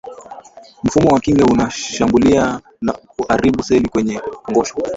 mfumo wa kinga unashambulia na huharibu seli kwenye kongosho